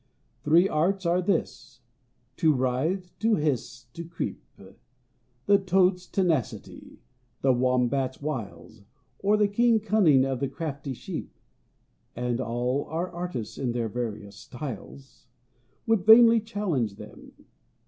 = Three arts are his: to writhe, to hiss, to creep. `The Toad's tenacity, the Wombat's wiles, Or the keen cunning of the crafty Sheep `(And all are artists in their various styles),= Would vainly challenge them.